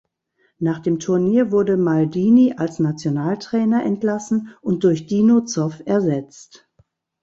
Nach dem Turnier wurde Maldini als Nationaltrainer entlassen und durch Dino Zoff ersetzt.